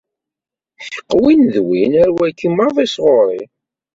Aḥeqq win d win, ar wagi maḍi sɣuṛ-i!